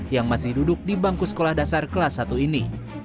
yang masih duduk di bangku sekolah dasar kelas satu ini